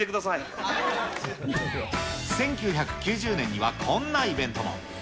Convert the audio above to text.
１９９０年にはこんなイベントも。